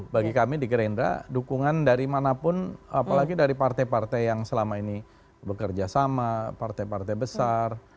bagi kami di gerindra dukungan dari manapun apalagi dari partai partai yang selama ini bekerja sama partai partai besar